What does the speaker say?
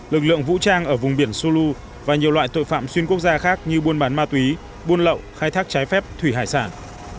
lực lượng vũ trang ở vùng biển sou và nhiều loại tội phạm xuyên quốc gia khác như buôn bán ma túy buôn lậu khai thác trái phép thủy hải sản